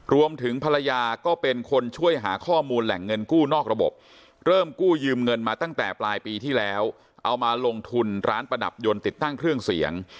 รวมถึงภรรยาก็เป็นคนช่วยหาข้อมูลแหล่งเงินกู้นอกระบบเริ่มกู้ยืมเงินมาตั้งแต่ปลายปีที่แล้วเอามาลงทุนร้านประดับยนต์ติดตั้งเครื่องเสียง